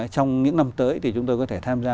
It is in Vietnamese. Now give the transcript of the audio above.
trong những năm tới thì chúng tôi có thể tham gia